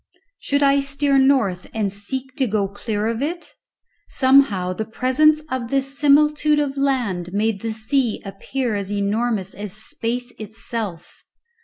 Should I steer north and seek to go clear of it? Somehow, the presence of this similitude of land made the sea appear as enormous as space itself.